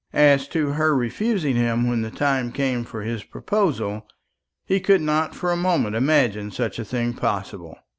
As to her refusing him when the time came for his proposal, he could not for a moment imagine such a thing possible.